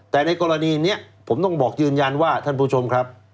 แต่ในกรณีนี้ผมต้องบอกยืนยันว่าท่านผู้ชมครับ